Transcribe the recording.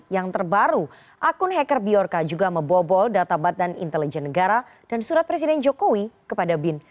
yang terbaru akun hacker bjorka juga membobol data badan intelijen negara dan surat presiden jokowi kepada bin